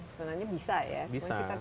sebenarnya bisa ya tapi kita